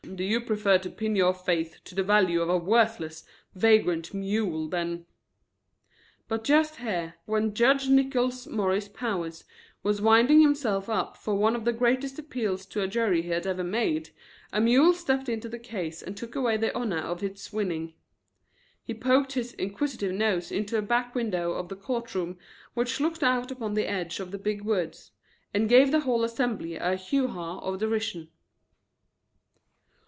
Do you prefer to pin your faith to the value of a worthless, vagrant mule than " But just here, when Judge Nickols Morris Powers was winding himself up for one of the greatest appeals to a jury he had ever made, a mule stepped into the case and took away the honor of its winning. He poked his inquisitive nose into a back window of the court room which looked out upon the edge of the big woods, and gave the whole assemblage a hew haw of derision.